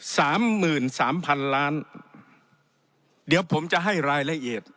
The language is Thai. สามหมื่นสามพันล้านเดี๋ยวผมจะให้รายละเอียด